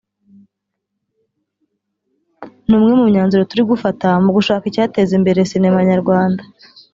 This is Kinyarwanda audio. “ni umwe mu myanzuro turi gufata mu gushaka icyateza imbere sinema nyarwanda